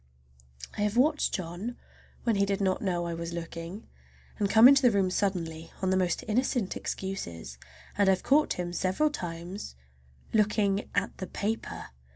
I have watched John when he did not know I was looking, and come into the room suddenly on the most innocent excuses, and I've caught him several times looking at the paper!